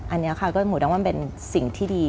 อันนี้ค่ะก็หมูดังว่ามันเป็นสิ่งที่ดี